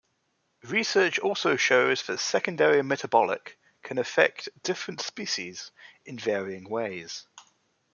Research also shows that secondary metabolic can affect different species in varying ways.